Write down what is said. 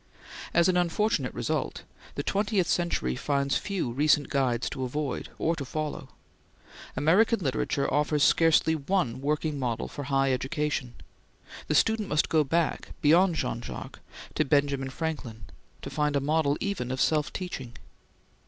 As an unfortunate result the twentieth century finds few recent guides to avoid, or to follow. American literature offers scarcely one working model for high education. The student must go back, beyond Jean Jacques, to Benjamin Franklin, to find a model even of self teaching.